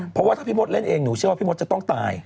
เพราะว่าถ้าพี่มดเล่นเองหนูเชื่อว่าพี่มดจะต้องตาย